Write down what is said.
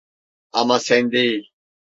Ama sen değil.